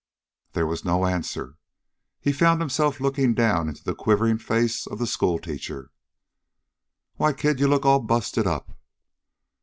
There was no answer. He found himself looking down into the quivering face of the schoolteacher. "Why, kid, you look all busted up!"